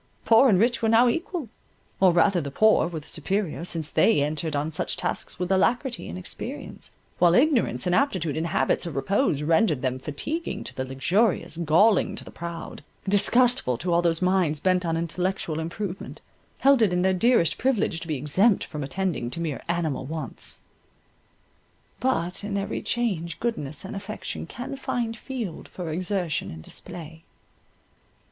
Poor and rich were now equal, or rather the poor were the superior, since they entered on such tasks with alacrity and experience; while ignorance, inaptitude, and habits of repose, rendered them fatiguing to the luxurious, galling to the proud, disgustful to all whose minds, bent on intellectual improvement, held it their dearest privilege to be exempt from attending to mere animal wants. But in every change goodness and affection can find field for exertion and display.